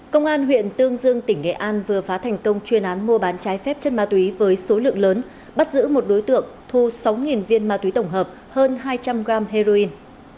công an huyện tương dương tỉnh nghệ an vừa phá thành công chuyên án mua bán trái phép chân ma túy với số lượng lớn bắt giữ một đối tượng thu sáu viên ma túy tổng hợp hơn hai trăm linh gram heroin